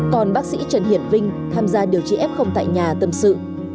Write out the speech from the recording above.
còn bác sĩ trần hiển vinh tham gia điều trị f tại nhà tâm sự